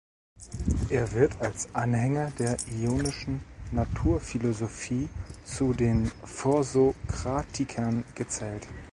Er wird als Anhänger der ionischen Naturphilosophie zu den Vorsokratikern gezählt.